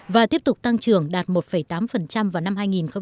và tiếp tục tăng trưởng đạt một tám vào năm hai nghìn một mươi tám